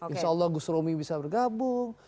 insya allah gus romi bisa bergabung